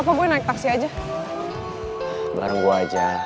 kau juga jaga gue